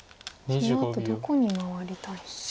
そのあとどこに回りたいんでしょう。